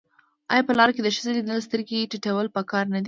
آیا په لار کې د ښځې لیدل سترګې ټیټول پکار نه دي؟